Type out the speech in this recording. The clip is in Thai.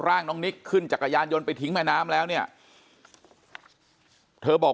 ร่างน้องนิกขึ้นจักรยานยนต์ไปทิ้งแม่น้ำแล้วเนี่ยเธอบอก